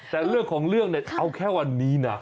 แต่เรื่องของเรื่องเนี่ยเอาแค่วันนี้นะ